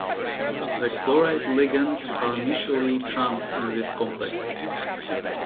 The chloride ligands are mutually trans in these complexes.